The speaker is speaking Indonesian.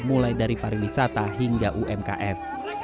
mulai dari pariwisata hingga umkm